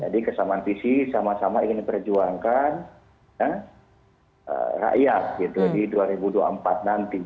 jadi kesamaan visi sama sama ingin berjuangkan ya rakyat gitu di dua ribu dua puluh empat nanti